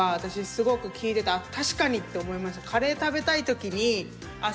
すごく聞いてて確かにって思いました。